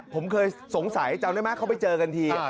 ผมเคยสงสัยเจอไหมเขาไปเจอกันที